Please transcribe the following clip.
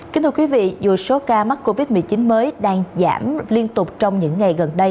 kính thưa quý vị dù số ca mắc covid một mươi chín mới đang giảm liên tục trong những ngày gần đây